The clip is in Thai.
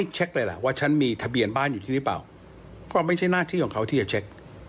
เช็คเลยล่ะว่าฉันมีทะเบียนบ้านอยู่ที่หรือเปล่าก็ไม่ใช่หน้าที่ของเขาที่จะเช็ค